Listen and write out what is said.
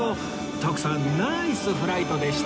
徳さんナイスフライトでした